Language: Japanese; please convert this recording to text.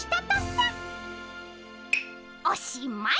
おしまい。